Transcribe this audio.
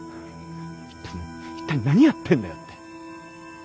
一体何やってんだよって。